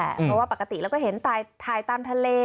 เพราะว่าปกติเราก็เห็นถ่ายตามทะเล